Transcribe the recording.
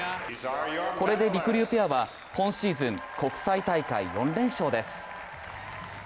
これで、りくりゅうペアは今シーズン国際大会４連勝です。